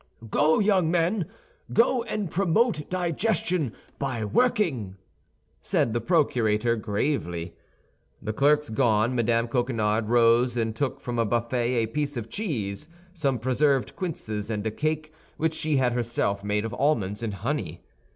"Go, young men! go and promote digestion by working," said the procurator, gravely. The clerks gone, Mme. Coquenard rose and took from a buffet a piece of cheese, some preserved quinces, and a cake which she had herself made of almonds and honey.